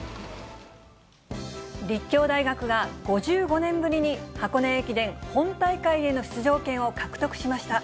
立教大学が５５年ぶりに箱根駅伝本大会への出場権を獲得しました。